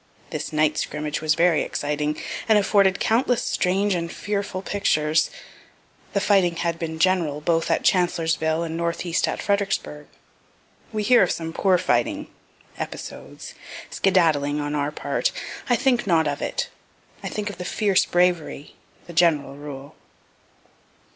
This night scrimmage was very exciting, and afforded countless strange and fearful pictures. The fighting had been general both at Chancellorsville and northeast at Fredericksburgh. (We hear of some poor fighting, episodes, skedaddling on our part. I think not of it. I think of the fierce bravery, the general rule.)